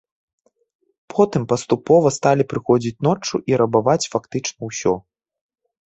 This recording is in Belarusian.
Потым паступова сталі прыходзіць ноччу і рабаваць фактычна ўсё.